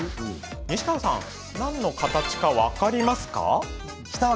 西川さん何の形か、分かりますか？